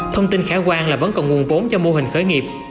thông tin khả quan là vẫn còn nguồn vốn cho mô hình khởi nghiệp